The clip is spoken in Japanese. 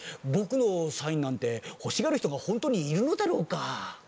ぼくのサインなんてほしがるひとがホントにいるのだろうか？